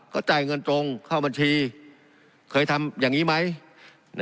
ก็จ่ายเงินตรงเข้าบัญชีเคยทำอย่างนี้ไหม